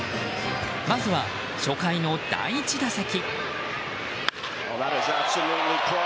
まずは初回の第１打席。